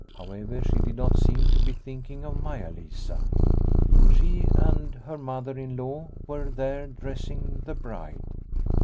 However, she did not seem to be thinking of Maia Lisa. She and her Mother in law were there dressing the bride.